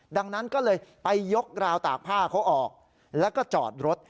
ดังนั้นก็เลยไปยกราวตากผ้าเขาออกแล้วก็จอดรถ